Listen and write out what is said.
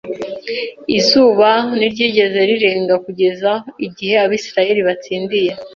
Izuba ntiryigeze rirenga kugeza igihe Abisirayeli batsindiye